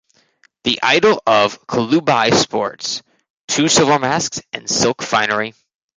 The idol of Kalubai sports two silver masks and silk finery.